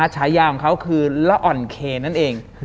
ฉายาของเขาคือละอ่อนเคนั่นเอง